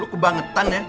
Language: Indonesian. lu kebangetan ya